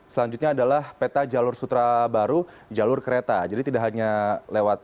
selanjutnya adalah peta jalur sutra baru jalur kereta